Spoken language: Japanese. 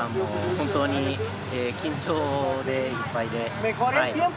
本当に緊張でいっぱいで。